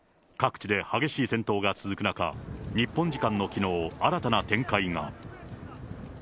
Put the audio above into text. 各地で激しい戦闘が続く中、日本時間のきのう、新たな展開が。